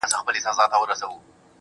هله تياره ده په تلوار راته خبري کوه.